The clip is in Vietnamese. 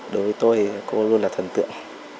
đối với tôi thì cô luôn là thần tượng